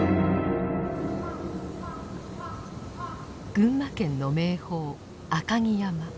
群馬県の名峰赤城山。